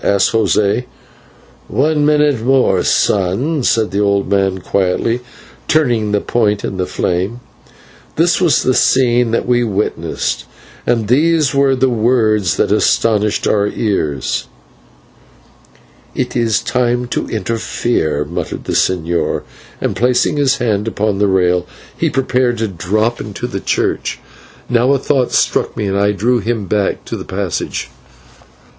asked José. "One minute more, son," said the old man, quietly turning the point in the flame. This was the scene that we witnessed, and these were the words that astonished our ears. "It is time to interfere," muttered the señor, and, placing his hand upon the rail, he prepared to drop into the church. Now a thought struck me, and I drew him back to the passage.